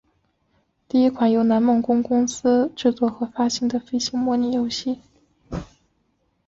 是一款由南梦宫公司制作和发行的飞行模拟游戏。